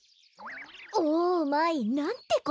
オーマイ！なんてことだ！